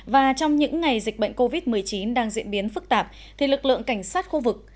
và trong những ngày dịch bệnh covid một mươi chín đang diễn biến phức tạp thì lực lượng cảnh sát khu vực